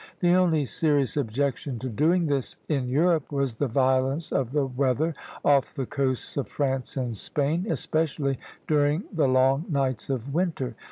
The only serious objection to doing this, in Europe, was the violence of the weather off the coasts of France and Spain, especially during the long nights of winter.